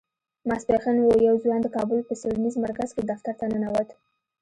ماسپښين و يو ځوان د کابل په څېړنيز مرکز کې دفتر ته ننوت.